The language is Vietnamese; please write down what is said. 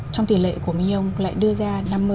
trong tiền lệ của milong lại đưa ra